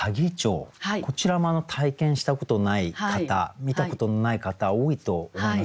こちらも体験したことない方見たことのない方多いと思います。